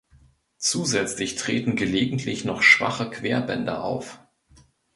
Zusätzlich treten gelegentlich noch schwache Querbänder auf.